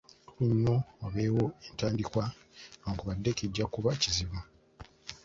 Kikulu nnyo wabeewo entandikwa newankubadde kijja kuba kizibu.